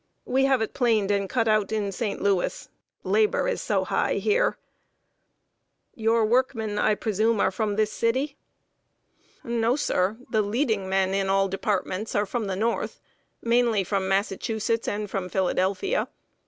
"We have it planed and cut out in St. Louis labor is so high here." "Your workmen, I presume, are from this city?" "No, sir. The leading men in all departments are from the North, mainly from Massachusetts and Philadelphia.